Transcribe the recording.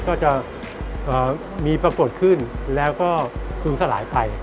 ก็จะมีปรากฏขึ้นแล้วก็ศูนย์สลายไป